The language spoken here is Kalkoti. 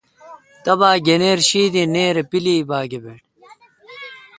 تبا گنیر شی دی نییرپیلی ا باگ اے°بٹ۔